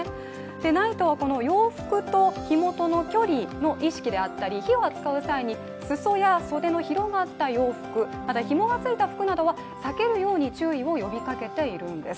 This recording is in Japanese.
ＮＩＴＥは洋服と火元の距離の意識であったり、火を扱う際に裾や袖の広がった洋服、ひもがついた服などは避けるように注意を呼びかけているんです。